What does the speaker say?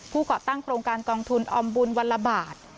ก่อตั้งโครงการกองทุนออมบุญวันละบาท